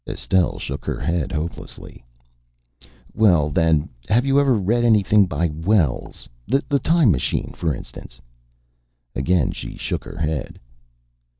Estelle shook her head hopelessly. "Well, then, have you ever read anything by Wells? The 'Time Machine,' for instance?" Again she shook her head.